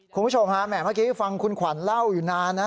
คุณผู้ชมฮะแหมเมื่อกี้ฟังคุณขวัญเล่าอยู่นานนะ